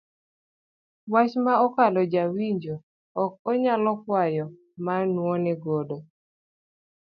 Wach ma okalo ja winjo ok onyal kwayo ma nuone godo.